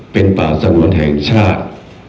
เป็นป่าสงวนแห่งชาติ